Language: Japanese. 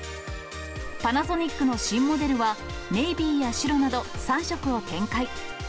パナソニックの新モデルは、ネイビーや白など、３色を展開。